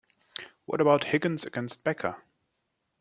What about Higgins against Becca?